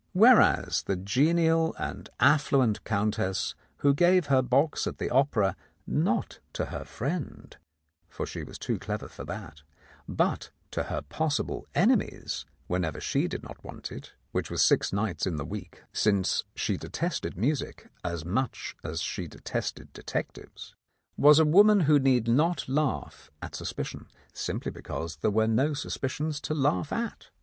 Whereas the genial and affluent Countess who gave her box at the opera, not to her friend (for she was too clever for that), but to her possible enemies, whenever she did not want it (which was six nights 6 The Countess of Lowndes Square in the week, since she detested music as much as she detested detectives), was a woman who need not laugh at suspicion, simply because there were no suspicions to laugh at.